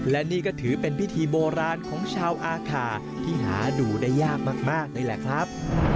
และนี่ก็ถือเป็นพิธีโบราณของชาวอาคาที่หาดูได้ยากมากนี่แหละครับ